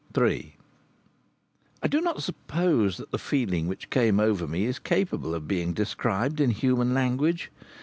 III I do not suppose that the feeling which came over me is capable of being described in human language.